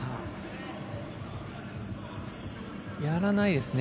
やらないですね。